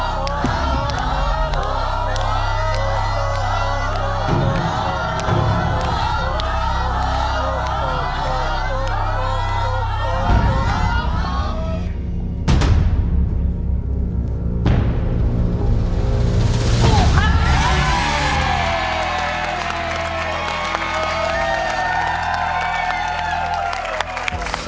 โฆษณ์โฆษณ์โฆษณ์